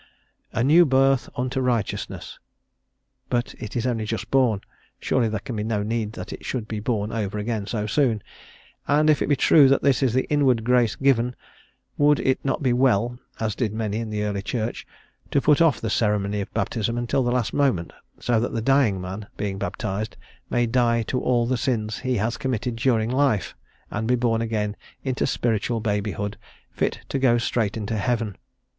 "A new birth unto righteousness?" but it is only just born, surely there can be no need that it should be born over again so soon? And if it be true that this is the inward grace given, would it not be well as did many in the early Church to put off the ceremony of baptism until the last moment, so that the dying man, being baptized, may die to all the sins he has committed during life, and be born again into spiritual babyhood, fit to go straight into heaven?